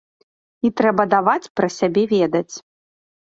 І трэба даваць пра сябе ведаць.